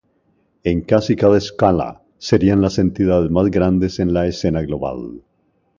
En casi cada escala, serían las entidades más grandes en la escena global.